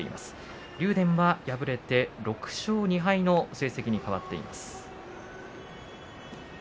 竜電は敗れて６勝２敗の成績に変わりました。